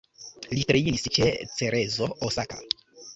Li trejnis ĉe Cerezo Osaka.